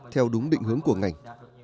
theo đúng định hướng của ngành